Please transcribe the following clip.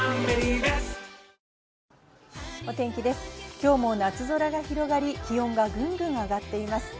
今日も夏空が広がり、気温がぐんぐん上がっています。